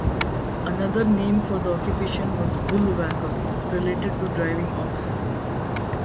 Another name for the occupation was bullwhacker, related to driving oxen.